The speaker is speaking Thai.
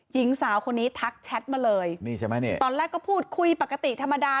ยิงสาวคนนี้ทักแชทมาเลยตอนแรกก็พูดคุยปกติธรรมดา